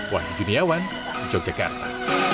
wahid duniawan yogyakarta